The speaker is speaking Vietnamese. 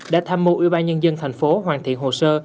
đã tham mô ưu ba nhân dân tp hcm hoàn thiện hồ sơ